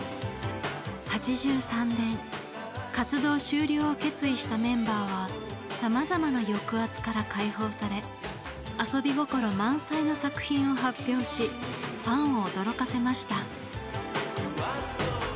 ８３年活動終了を決意したメンバーはさまざまな抑圧から解放され遊び心満載の作品を発表しファンを驚かせました。